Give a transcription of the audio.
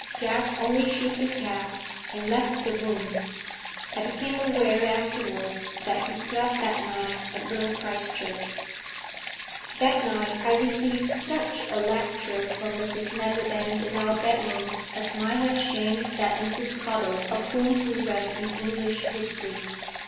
Jack only shook his head, and left the room. I became aware afterwards that he slept that night at Little Christchurch. That night I received such a lecture from Mrs Neverbend in our bedroom as might have shamed that Mrs Caudle of whom we read in English history.